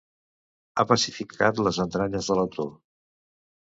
ha pacificat les entranyes de l'autor